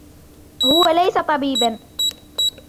هو ليس طبيبا.